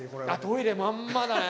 トイレまんまだね。